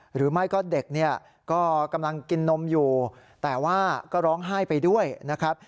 หรือไม่ก็เด็กเนี่ยก็กำลังกินนมอยู่แต่ว่าก็ร้องไห้ไปด้วยนะครับ